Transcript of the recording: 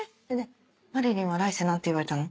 まりりんは来世何て言われたの？